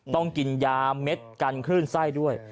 ต้องกินยาเม็ดกันคลื่นไส้ด้วย